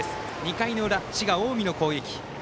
２回の裏、滋賀・近江の攻撃。